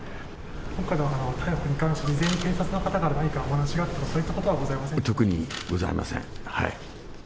今回の逮捕に関して、事前に警察の方からお話があったとか、そういったことはございま特にございません。